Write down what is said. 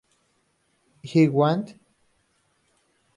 I Want!